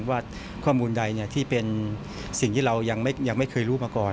ว่าข้อมูลใดที่เป็นสิ่งที่เรายังไม่เคยรู้มาก่อน